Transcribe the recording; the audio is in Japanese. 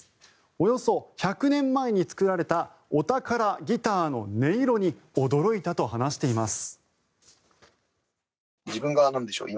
およそ１００年前に作られたお宝ギターの音色に驚いたと話しています。